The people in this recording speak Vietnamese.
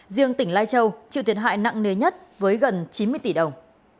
riêng tỉnh lai châu chịu thiệt hại nặng nề nhất với gần chín mươi tỷ đồng